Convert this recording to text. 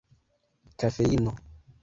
kafeino